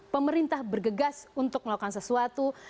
pemerintah bergegas untuk melakukan sesuatu